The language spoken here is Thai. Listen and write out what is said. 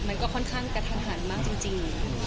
มันก็ค่อนข้างกระทันหันมากจริง